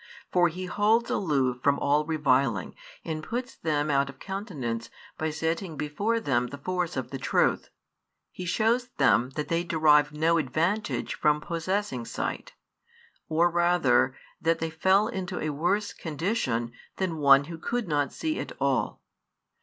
For He holds aloof from all reviling and puts them out of countenance by setting before them the force of the truth: He shows them that they derive no advantage from possessing sight, or rather that they fell into a worse condition than one who could not see at all.